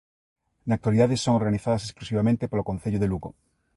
Na actualidade son organizadas exclusivamente polo Concello de Lugo.